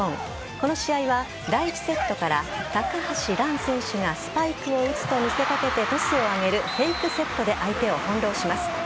この試合は、第１セットから高橋藍選手がスパイクを打つと見せかけてトスを上げるフェイクセットで相手を翻弄します。